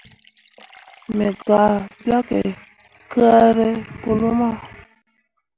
Me gah gbakke kaare pu luma.